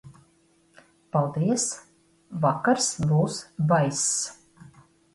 Paldies, vakars būs baiss.